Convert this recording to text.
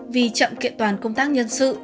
vì chậm kiện toàn công tác nhân sự